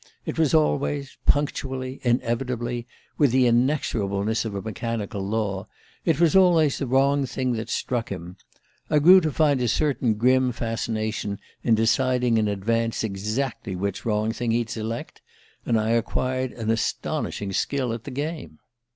It was always punctually, inevitably, with the inexorableness of a mechanical law it was always the wrong thing that struck him. I grew to find a certain grim fascination in deciding in advance exactly which wrong thing he'd select; and I acquired an astonishing skill at the game